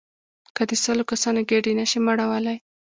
که د سل کسانو ګېډې نه شئ مړولای.